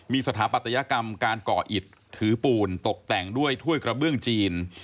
มีสถาปัตยกรรมการก่ออิดถือปูนตกแต่งด้วยถ้วยกระเบื้องจีน